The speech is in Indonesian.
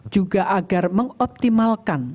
juga agar mengoptimalkan